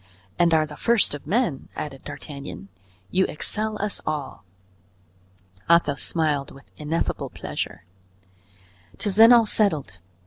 "And are the first of men!" added D'Artagnan. "You excel us all." Athos smiled with ineffable pleasure. "'Tis then all settled.